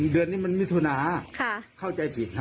เดือนนี้มันมีทุนาค่ะเข้าใจผิดฮะ